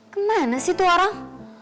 gimana sih itu orang